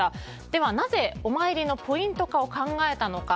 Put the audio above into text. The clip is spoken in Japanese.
ではなぜ、お参りのポイント化を考えたのか。